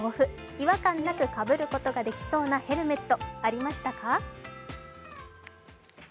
違和感なくかぶることができそうなヘルメットありましたか？